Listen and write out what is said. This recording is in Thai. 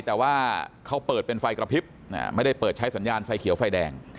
แต่ว่าเขาเปิดเป็นไฟกระพริบไม่ได้เปิดใช้สัญญาณไฟเขียวไฟแดง